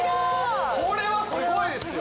これはすごいですよ